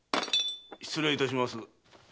・失礼いたします。